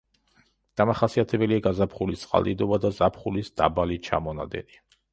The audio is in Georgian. დამახასიათებელია გაზაფხულის წყალდიდობა და ზაფხულის დაბალი ჩამონადენი.